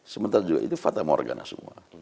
sebentar juga itu fatah morgana semua